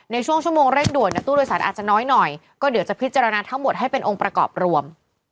ในช่วงชั่วโมงเร่งด่วนตู้โดยสารอาจจะน้อยหน่อยก็เดี๋ยวจะพิจารณาทั้งหมดให้เป็นองค์ประกอบรวม